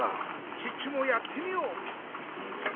チッチもやってみよう！